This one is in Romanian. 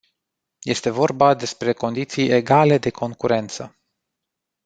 Este vorba despre condiții egale de concurență.